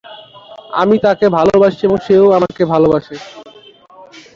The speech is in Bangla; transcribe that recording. আমি তাকে ভালোবাসি এবং সেও আমাকে ভালবাসে।